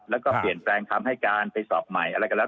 แล้วก็เปลี่ยนแปลงคำให้การไปสอบใหม่อะไรก็แล้ว